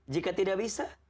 jika tidak bisa